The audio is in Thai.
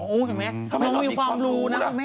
อู้เห็นไหมมันมีความรู้นะ